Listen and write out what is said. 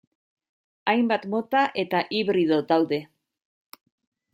Hainbat mota eta hibrido daude.